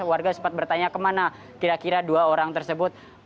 warga sempat bertanya kemana kira kira dua orang tersebut